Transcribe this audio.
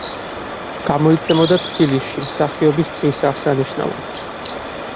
გამოიცემოდა თბილისში, მსახიობის დღის აღსანიშნავად.